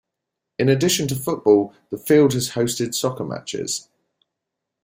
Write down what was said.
In addition to football, the field has hosted soccer matches.